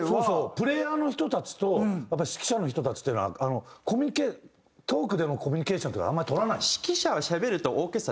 プレーヤーの人たちとやっぱり指揮者の人たちっていうのはトークでのコミュニケーションっていうのはあんまり取らないの？